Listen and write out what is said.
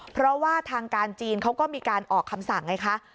เพราะว่าทางการจีนเขาก็มีการออกคำสั่งไงคะ